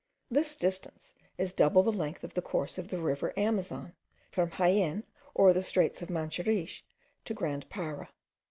This distance is double the length of the course of the river Amazon, from Jaen or the straits of Manseriche to Grand Para.